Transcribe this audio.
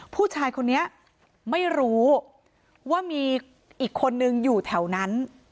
ผู้ชายคนนี้ไม่รู้ว่ามีอีกคนนึงอยู่แถวนั้น